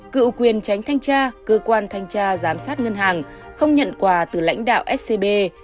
cựu quyền tránh thanh tra cơ quan thanh tra giám sát ngân hàng không nhận quà từ lãnh đạo scb